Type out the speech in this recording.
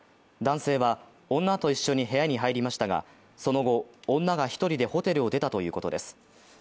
男性は女と一緒に部屋に入りましたがその後、女が１人でホテルを出たということです。